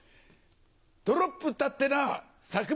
ドロップったってなぁサクマ